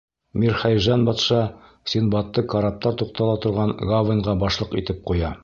Мирхәйжән батша Синдбадты караптар туҡтала торған гавангә башлыҡ итеп ҡуя.